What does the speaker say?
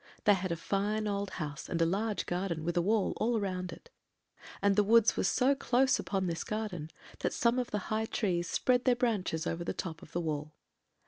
"They had a fine old house and large garden, with a wall all round it, and the woods were so close upon this garden, that some of the high trees spread their branches over the top of the wall.